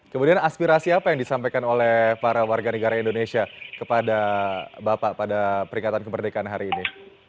kemudian aspirasi apa yang disampaikan oleh para warga negara indonesia kepada bapak pada peringatan kemerdekaan hari ini